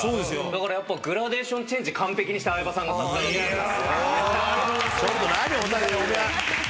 だからやっぱグラデーションチェンジ完璧にした相葉さんがさすがだと思います。